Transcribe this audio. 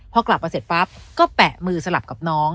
พอกลับมาเสร็จปั๊บก็แปะมือสลับกับน้อง